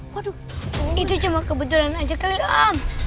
waduh itu cuma kebetulan aja kali ah